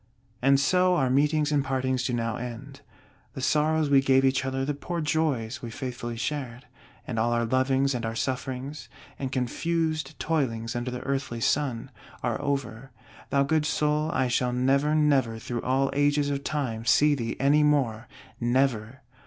And so our meetings and our partings do now end! The sorrows we gave each other; the poor joys we faithfully shared, and all our lovings and our sufferings, and confused toilings under the earthly Sun, are over. Thou good soul, I shall never, never through all ages of Time, see thee any more! NEVER!